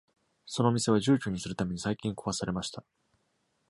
そのお店は住居にするために最近壊されました。